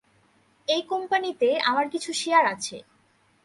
এই কোম্পানিতে আমার কিছু শেয়ার আছে।